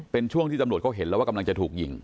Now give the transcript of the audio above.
เป็นช่วงที่ตำรวจเขาเห็นแล้วว่ากำลังจะถูกยิง